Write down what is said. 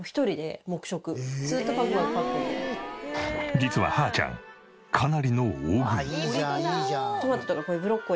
実はハーちゃんかなりの大食い。